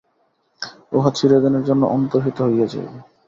উহা চিরদিনের জন্য অন্তর্হিত হইয়া যাইবে।